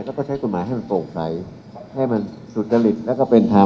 แล้วก็ใช้กฎหมายให้มันโปร่งใสให้มันสุจริตแล้วก็เป็นธรรม